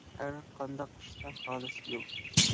ھەر قانداق ئىشتا خالىس يول تۇت.